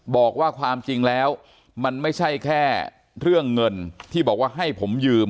บอกว่าความจริงแล้วมันไม่ใช่แค่เรื่องเงินที่บอกว่าให้ผมยืม